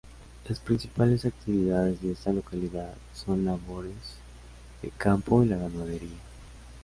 Las principales actividades de esta localidad son las labores de campo y la ganadería.